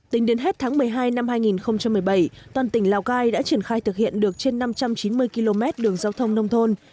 tính đến hết tháng một mươi hai năm hai nghìn một mươi bảy toàn tỉnh lào cai đã triển khai thực hiện được trên năm trăm chín mươi km đường giao thông nông thôn